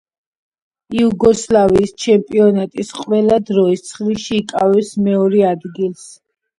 იუგოსლავიის ჩემპიონატის ყველა დროის ცხრილში იკავებს მეორე ადგილს.